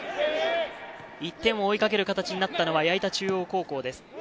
１点を追いかける形になったのは矢板中央高校です。